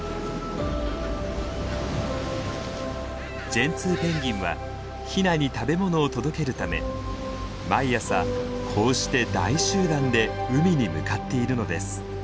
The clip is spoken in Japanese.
ジェンツーペンギンはヒナに食べ物を届けるため毎朝こうして大集団で海に向かっているのです。